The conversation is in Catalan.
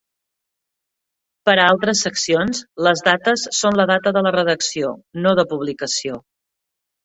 Per a altres seccions, les dates són la data de la redacció, no de publicació.